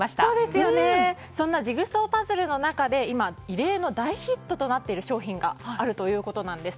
そんなジグソーパズルの中で今、異例の大ヒットとなっている商品があるということです。